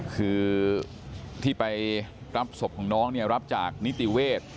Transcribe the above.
คือที่ไปรับศพของน้องเนี่ยรับจากนิติเวศ